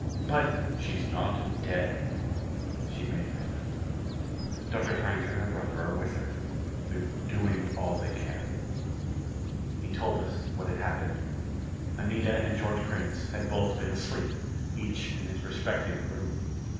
"But " "She's not dead. She may live. Dr. Frank and her brother are with her. They're doing all they can." He told us what had happened. Anita and George Prince had both been asleep, each in his respective room.